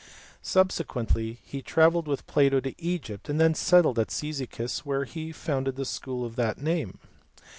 Subsequently he travelled with Plato to Egypt, and then settled at Cyzicus where he founded the school of that name.